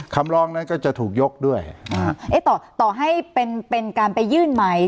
คำลองนั้นก็จะถูกยกด้วยต่อต่อให้เป็นเป็นการไปยื่นใหม่